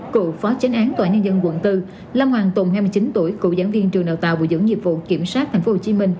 cựu phó chánh án tòa án nhân dân quận bốn lâm hoàng tùng hai mươi chín tuổi cựu giảng viên trường đào tạo bùi dưỡng nhiệm vụ kiểm soát tp hcm